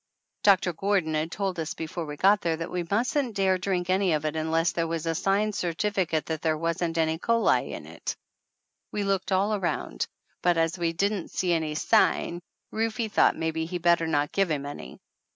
Doctor Gordon had told us before we got there that we mustn't dare drink any of it unless there was a signed certificate that there wasn't any "coli" in it. We looked all around, but as we didn't see any sign, Rufe thought maybe he'd better not give him any.